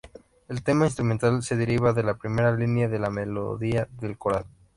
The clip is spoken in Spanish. El tema instrumental se deriva de la primera línea de la melodía del coral.